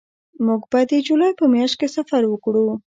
موږ به د جولای په میاشت کې سفر وکړو